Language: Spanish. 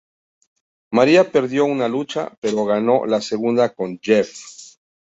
Maria perdió una lucha, pero ganó la segunda con Jeff.